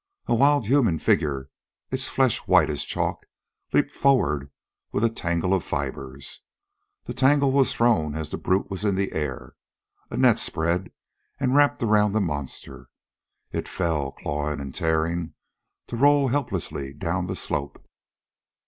A wild human figure, its flesh white as chalk, leaped forward with a tangle of fibers. The tangle was thrown as the brute was in air. A net spread and wrapped around the monster. It fell, clawing and tearing, to roll helplessly down the slope.